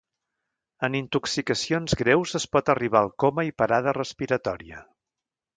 En intoxicacions greus es pot arribar al coma i parada respiratòria.